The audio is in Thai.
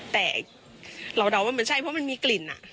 แต่เราเดาว่ามันใช่เพราะมันมีกลิ่น